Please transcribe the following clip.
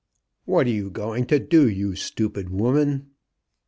"What are you going to do, you stupid woman?"